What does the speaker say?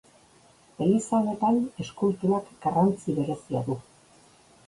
Eliza honetan eskulturak garrantzi berezia du.